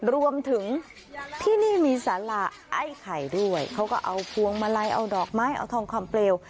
รวมถึงที่นี่มีสาระไอ้ไข่ด้วยเขาก็เอาพวงมาลัยเอาดอกไม้เอาทองคำเปลว